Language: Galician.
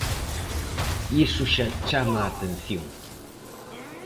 Iso xa chama a atención.